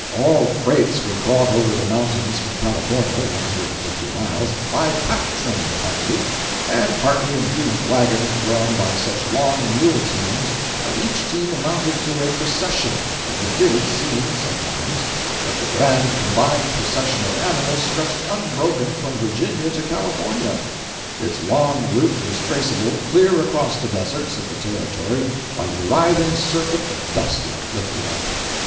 All freights were brought over the mountains from California (150 miles) by pack train partly, and partly in huge wagons drawn by such long mule teams that each team amounted to a procession, and it did seem, sometimes, that the grand combined procession of animals stretched unbroken from Virginia to California. Its long route was traceable clear across the deserts of the Territory by the writhing serpent of dust it lifted up.